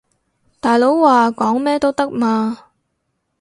大佬話講咩都得嘛